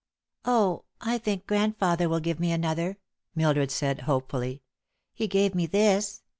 "Oh, I think grandfather will give me another," Mildred said, hopefully. "He gave me this.